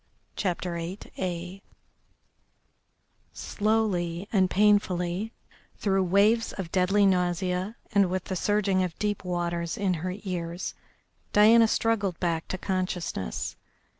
CHAPTER VIII Slowly and painfully, through waves of deadly nausea and with the surging of deep waters in her ears, Diana struggled back to consciousness.